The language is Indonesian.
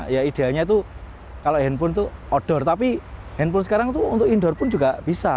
ya ideanya tuh kalau handphone tuh outdoor tapi handphone sekarang tuh untuk indoor pun juga bisa